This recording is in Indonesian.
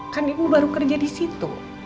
kan ibu baru kerja disitu